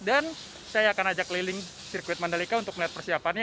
dan saya akan ajak keliling sirkuit mandalika untuk melihat persiapannya